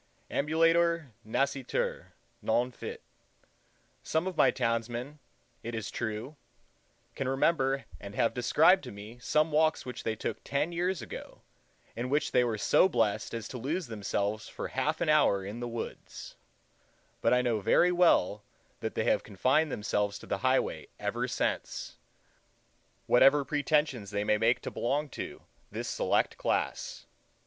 Ambulator nascitur, non fit. Some of my townsmen, it is true, can remember and have described to me some walks which they took ten years ago, in which they were so blessed as to lose themselves for half an hour in the woods; but I know very well that they have confined themselves to the highway ever since, whatever pretensions they may make to belong to this select class.